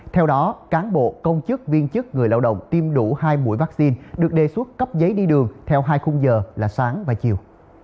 theo đó cán bộ công chức viên chức người lao động tiêm đủ hai mũi vaccine được đề xuất cấp giấy đi đường theo hai khung giờ là sáng và chiều